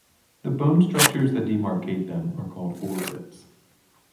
The bone structures that demarcate them are called orbits.